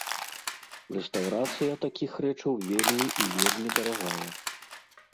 Рэстаўрацыя такіх рэчаў вельмі і вельмі дарагая.